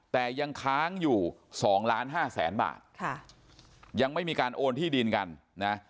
แต่ยังค้างอยู่๒๕๐๐๐๐๐บาทยังไม่มีการโอนที่ดินกัน